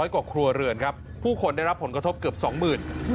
กว่าครัวเรือนครับผู้คนได้รับผลกระทบเกือบ๒๐๐๐บาท